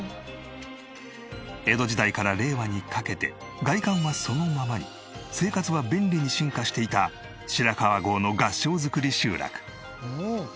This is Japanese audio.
江戸時代から令和にかけて外観はそのままに生活は便利に進化していた白川郷の合掌造り集落。